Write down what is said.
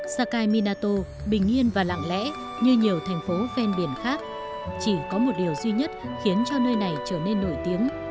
sakai minato bình yên và lặng lẽ như nhiều thành phố ven biển khác chỉ có một điều duy nhất khiến cho nơi này trở nên nổi tiếng